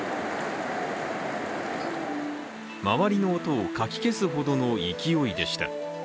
周りの音をかき消すほどの勢いでした。